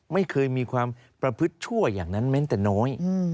ไม่เคยมีความประพฤติชั่วอย่างนั้นแม้แต่น้อย